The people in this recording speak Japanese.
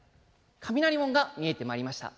雷門が見えてまいりました。